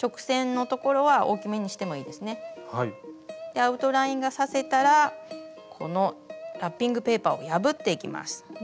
アウトラインが刺せたらこのラッピングペーパーを破っていきます。